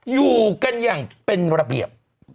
อยู่กันอย่างเป็นระเบียบ